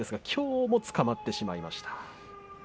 きょうもつかまってしまいました。